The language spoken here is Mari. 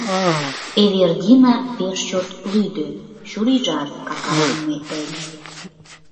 Эвердина пеш чот лӱдӧ, чурийжат какаргыме гай лие.